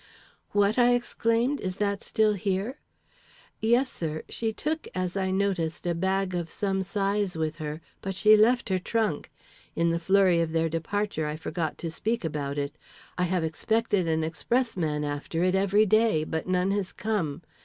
"What," I exclaimed, "is that still here?" "Yes, sir; she took, as I noticed, a bag of some size with her, but she left her trunk. In the flurry of their departure I forgot to speak about it. I have expected an expressman after it every day, but none has come.